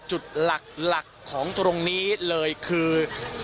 จุดหลักของตรงนี้เลยคือ